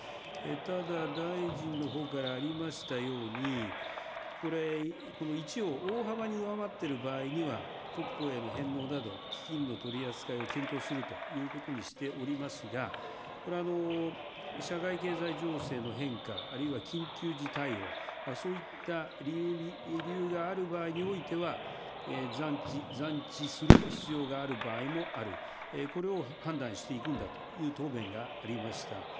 ただ大臣のほうからありましたように、これ、この１を大幅に上回っている場合には、国庫への返納など、基金の取り扱いを検討するということにしておりますが、これ、社会経済情勢の変化、あるいは緊急時対応、そういった理由がある場合においては、残置する必要がある場合もある、これを判断していくんだという答弁がありました。